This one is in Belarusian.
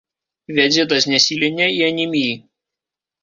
Вядзе да знясілення і анеміі.